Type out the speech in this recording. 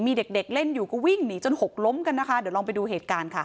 มีเด็กเด็กเล่นอยู่ก็วิ่งหนีจนหกล้มกันนะคะเดี๋ยวลองไปดูเหตุการณ์ค่ะ